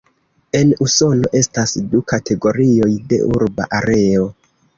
En Usono estas du kategorioj de urba areo.